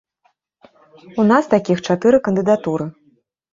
У нас такіх чатыры кандыдатуры.